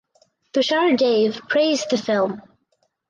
Tushar Dave praised the film.